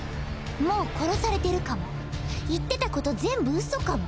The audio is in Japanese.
もう殺されてるかも言ってたこと全部ウソかも。